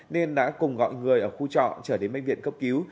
nên đã cùng gọi người ở khu trọ trở đến bệnh viện cấp cứu